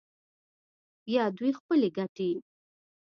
یا دوی خپلې ګټې